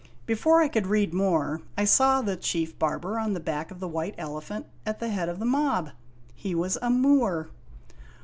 Before I could read more, I saw the Chief Barber on the back of the White Elephant at the head of the mob. He was a Moor.